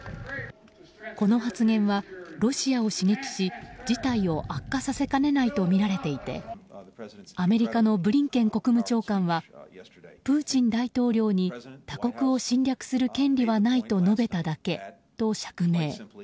この発言はロシアを刺激し事態を悪化させかねないとみられていてアメリカのブリンケン国務長官はプーチン大統領に他国を侵略する権利はないと述べただけと釈明。